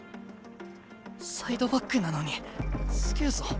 サイドバックなのにすげえぞ。